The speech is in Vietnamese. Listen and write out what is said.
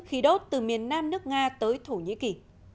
khí đốt từ miền nam nước nga tới thổ nhĩ kỳ